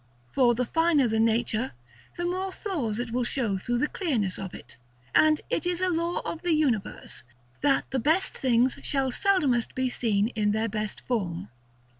For the finer the nature, the more flaws it will show through the clearness of it; and it is a law of this universe, that the best things shall be seldomest seen in their best form.